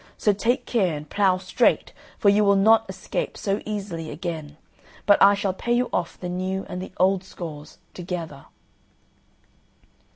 So take care and plough straight, for you will not escape so easily again, but I shall pay you off the new and the old scores together."